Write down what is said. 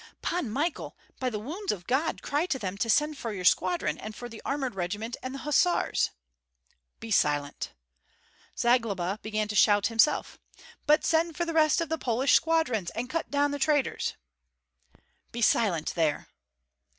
"Pan Michael! by the wounds of God, cry to them to send for your squadron and for the armored regiment and the hussars." "Be silent!" Zagloba began to shout himself: "But send for the rest of the Polish squadrons, and cut down the traitors!" "Be silent there!"